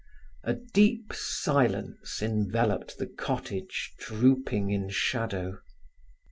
A deep silence enveloped the cottage drooping in shadow.